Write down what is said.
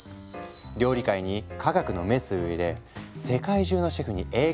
料理界に科学のメスを入れ世界中のシェフに影響を与えた人物だ。